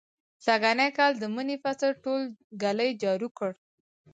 سږنی کال د مني فصل ټول ږلۍ جارو کړ.